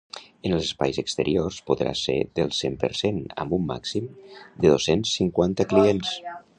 En els espais exteriors, podrà ser del cent per cent amb un màxim de dos-cents cinquanta clients.